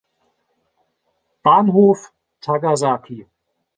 Bahnhof Takasaki